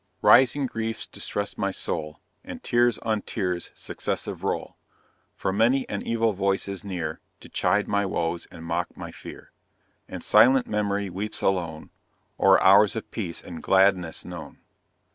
"Rising griefs distress my soul, And tears on tears successive roll For many an evil voice is near, To chide my woes and mock my fear And silent memory weeps alone, O'er hours of peace and gladness known.